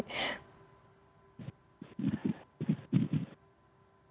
oke mas ulil silakan ditanggapi